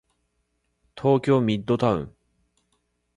東京ミッドタウン